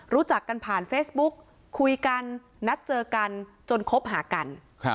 รู้จักกันผ่านเฟซบุ๊กคุยกันนัดเจอกันจนคบหากัน